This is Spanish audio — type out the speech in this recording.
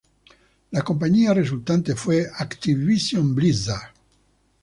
La compañía resultante fue Activision Blizzard.